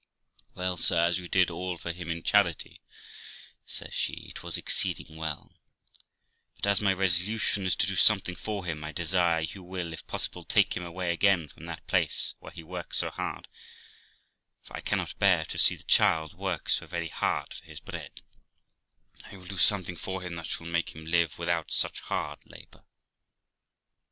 ' Well, sir, as you did all for him in charity ', says she, ' it was exceeding well ; but, as my resolution is to do something for him, I desire you will, if possible, take him away again from that place, where he works so hard, for I cannot bear to see the child work so very hard for his bread, and I will do something for him that shall make him live without such hard labour.'